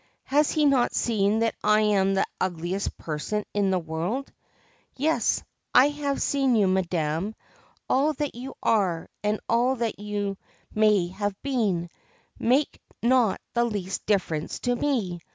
Has he not seen that I am the ugliest person in the world ?'' Yes, I have seen you, madam. All that you are, and all that you may have been, make not the least difference to me.